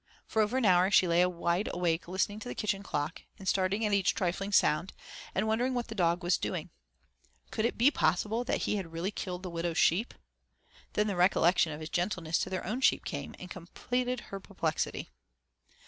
For over an hour she lay wide awake listening to the kitchen clock, and starting at each trifling sound, and wondering what the dog was doing. Could it be possible that he had really killed the widow's sheep? Then the recollection of his gentleness to their own sheep came, and completed her perplexity.